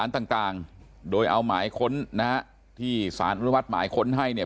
แล้วก็ยัดลงถังสีฟ้าขนาด๒๐๐ลิตร